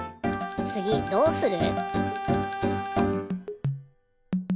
つぎどうする？